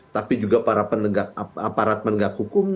tapi juga para penegak